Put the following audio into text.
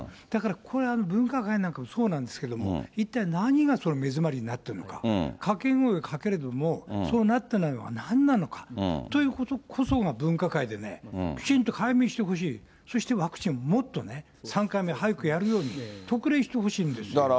だから、分科会なんかもそうなんですけれども、一体何が目詰まりになってるのか、かけ声をかけるけど、そうなってないのはなんなのか、ということこそが分科会でね、きちんと解明してほしい、そしてワクチンをもっとね、３回目早くやるように、特例してほしいんですよ。